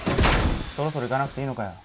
そろそろ行かなくていいのかよ